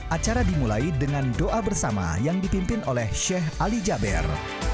acara dimulai dengan doa bersama yang dipimpin oleh sheikh ali jaber